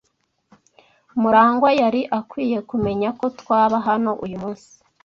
Murangwa yari akwiye kumenya ko twaba hano uyu munsi.